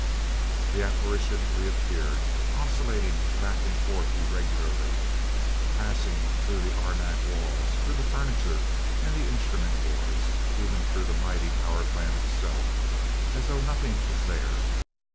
The apparition reappeared, oscillating back and forth irregularly passing through the arenak walls, through the furniture and the instrument boards, and even through the mighty power plant itself, as though nothing was there.